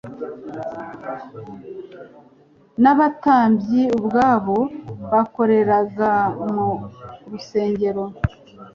N'abatambyi ubwabo bakoreraga mu rusengero,